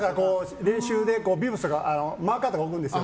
練習でビブスとかマーカーとか置くんですよ